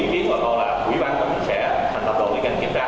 khiến bà con là quỹ bán tấm sẽ thành tập đội ngành kiểm tra